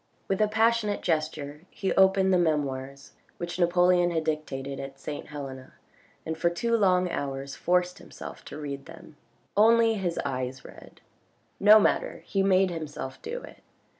With a passionate gesture he opened the Memoirs which Napoleon had dictated at St. Helena and for two long hours forced himself to read them. Only his eyes read ; no matter, he made himself do it.